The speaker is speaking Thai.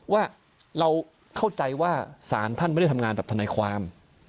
ว่าเราเข้าใจว่าสารท่านไม่ได้ทำงานแบบทนายความ